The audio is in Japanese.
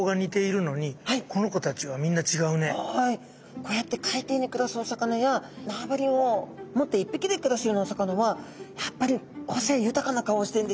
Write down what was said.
こうやって海底に暮らすお魚や縄張りを持って一匹で暮らすようなお魚はやっぱり個性豊かな顔をしてるんですよね。